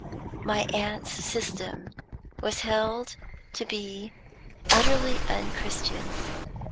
My aunt's system was held to be utterly unchristian.